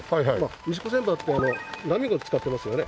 「西小仙波」って「波」を使ってますよね？